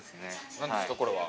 ◆なんですか、これは。